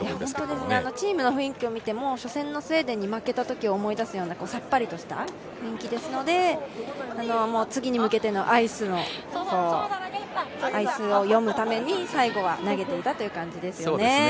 本当ですね、チームの雰囲気を見ても初戦のスウェーデン戦を思い出すようなさっぱりとした雰囲気ですので、次に向けてのアイスを読むために最後は投げていたという感じですよね。